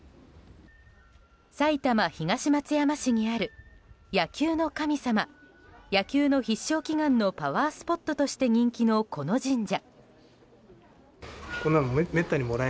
埼玉・東松山市にある野球の神様野球の必勝祈願のパワースポットとして人気のこの神社。